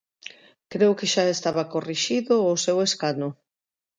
Creo que xa estaba corrixido o seu escano.